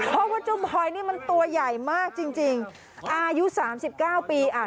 เพราะว่าเจ้าบอยนี่มันตัวใหญ่มากจริงจริงอายุสามสิบเก้าปีอ่า